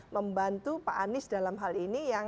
membantu pak anies dalam hal ini yang